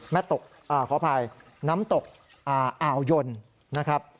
แม่ตกขออภัยน้ำตกอ่าวยนต์